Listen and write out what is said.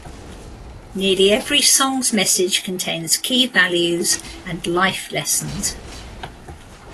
Nearly every song's message contains key values and life' lessons.